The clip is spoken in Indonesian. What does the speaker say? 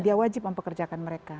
dia wajib mempekerjakan mereka